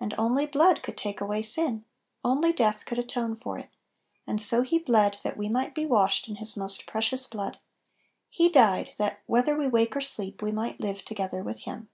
And only blood could take away sin, only Little Pillows 57 death could atone for it; and so He bled, that we might be washed in His most precious blood; He died, "that, whether we wake or sleep, we might live together with Him."